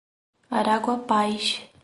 Araguapaz